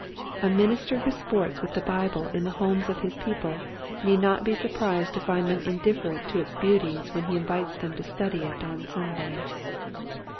A minister who sports with the Bible in the homes of his people need not be surprised to find them indifferent to its beauties when he invites them to study it on Sunday.